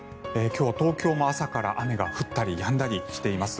今日、東京も朝から雨が降ったりやんだりしています。